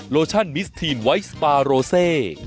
โลชั่นมิสทีนไวท์สปาโรเซ